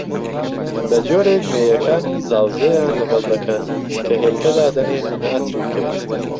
بەجۆرێک مێیەکانی زاوزێیان لەگەڵ دەکەن کە هێلکە دادەنێن و ناتروکێت